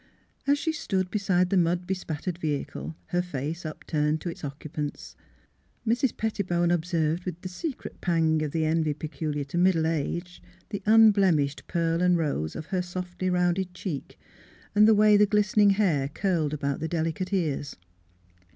As she stood beside the mud bespat tered vehicle, her face upturned to its occupants, Mrs. Pettibone observed with a secret pang of the envy peculiar to middle age the unblemished pearl and rose of her softly rounded cheek and the way the glistening hair curled about the delicate ears.